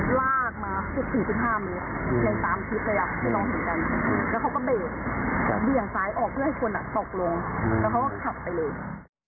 แล้วเขาก็ขับไปเลย